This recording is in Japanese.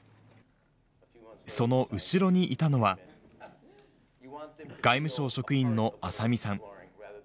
その後ろにいたのは、外務省職員の浅見さん。